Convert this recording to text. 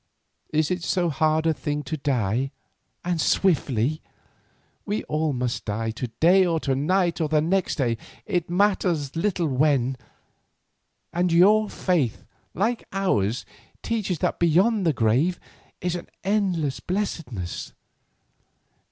Is it so hard a thing to die, and swiftly? We all must die, to day, or to night, or the next day, it matters little when—and your faith, like ours, teaches that beyond the grave is endless blessedness.